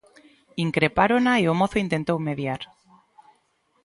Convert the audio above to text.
Increpárona e o mozo intentou mediar.